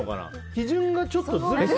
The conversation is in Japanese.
基準がちょっとずれている。